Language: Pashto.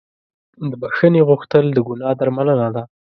د بښنې غوښتل د ګناه درملنه ده.